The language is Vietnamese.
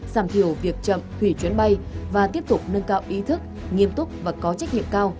giảm thiểu việc chậm hủy chuyến bay và tiếp tục nâng cao ý thức nghiêm túc và có trách nhiệm cao